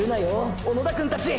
小野田くんたち！！